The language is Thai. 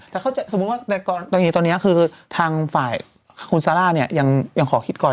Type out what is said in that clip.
แต่สมมุติว่าตอนเนี้ยค่ะคุณซาร่านัดสาลายังขอคิดก่อน